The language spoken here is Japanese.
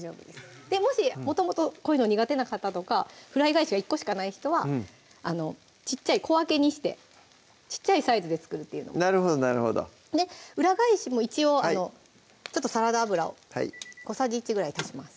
もしもともとこういうの苦手な方とかフライ返しが１個しかない人は小っちゃい小分けにして小っちゃいサイズで作るっていうのもなるほどなるほどで裏返しも一応ちょっとサラダ油を小さじ１ぐらい足します